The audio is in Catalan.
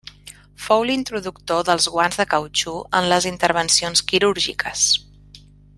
Fou l’introductor dels guants de cautxú en les intervencions quirúrgiques.